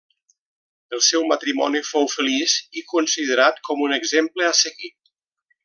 El seu matrimoni fou feliç i considerat com un exemple a seguir.